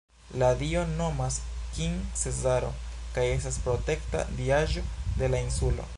La dio nomas King-Cesaro kaj estas protekta diaĵo de la insulo.